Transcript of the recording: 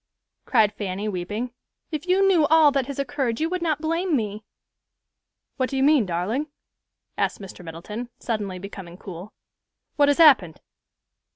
cried Fanny, weeping; "if you knew all that has occurred, you would not blame me." "What do you mean, darling?" asked Mr. Middleton, suddenly becoming cool. "What has happened?"